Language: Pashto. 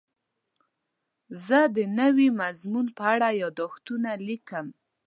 زه د نوي مضمون په اړه یادښتونه لیکم.